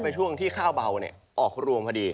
ช่วงที่ข้าวเบาออกรวมพอดี